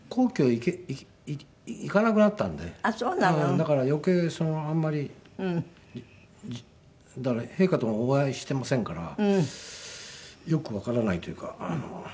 だから余計あんまりだから陛下ともお会いしていませんからよくわからないというか。